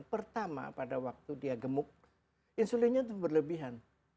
pertama pada waktu dia gemuk insulinnya itu berlebihan